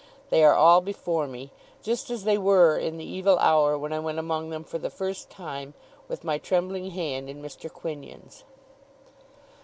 They are all before me, just as they were in the evil hour when I went among them for the first time, with my trembling hand in Mr. Quinion's.